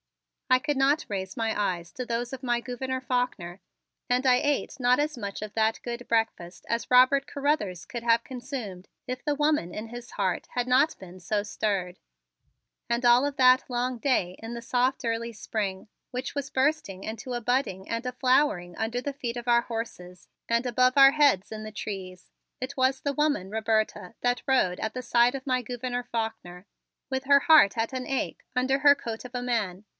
I could not raise my eyes to those of my Gouverneur Faulkner and I ate not as much of that good breakfast as Robert Carruthers could have consumed if the woman in his heart had not been so stirred. And all of that long day in the soft early spring which was bursting into a budding and a flowering under the feet of our horses and above our heads in the trees, it was the woman Roberta that rode at the side of my Gouverneur Faulkner, with her heart at an ache under her coat of a man.